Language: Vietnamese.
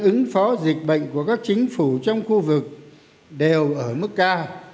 ứng phó dịch bệnh của các chính phủ trong khu vực đều ở mức cao